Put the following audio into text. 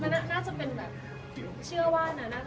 น่าจะเป็นแบบเวลาเท่าเย้า